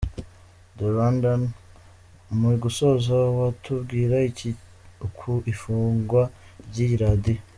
The Rwandan: Mu gusoza watubwira iki ku ifungwa ry’iyi Radio?